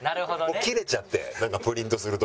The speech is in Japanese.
切れちゃってプリントする時に。